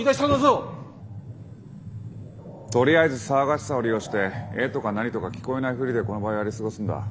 とりあえず騒がしさを利用して「え？」とか「何？」とか聞こえないふりでこの場はやり過ごすんだ。